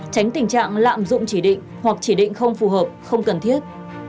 tránh tình trạng lạm dụng chỉ định hoặc chỉ định không phù hợp không cần thiết